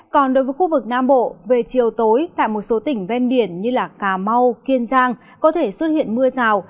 còn đối với khu vực nam bộ về chiều tối tại một số tỉnh ven biển như cà mau kiên giang có thể xuất hiện mưa rào